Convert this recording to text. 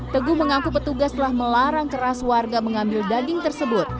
teguh mengaku petugas telah melarang keras warga mengambil daging tersebut